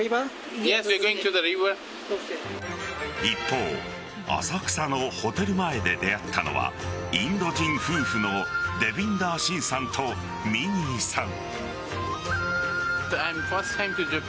一方浅草のホテル前で出会ったのはインド人夫婦のデビンダー・シンさんとミニーさん。